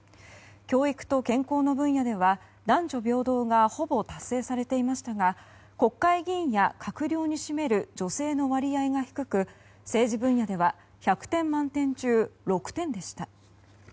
教育と健康の分野では男女平等がほぼ達成されていましたが国会議員や閣僚に占める女性の割合が低く政治分野では１００点満点中６点でした。